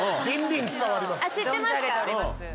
知ってますか？